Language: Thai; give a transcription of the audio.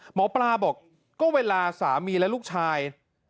หมอปลาบอกก็เวลาสามีและลูกชาย